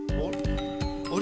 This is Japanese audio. あれ。